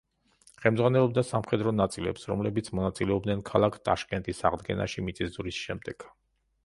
ხელმძღვანელობდა სამხედრო ნაწილებს, რომლებიც მონაწილეობდნენ ქალაქ ტაშკენტის აღდგენაში მიწისძვრის შემდეგ.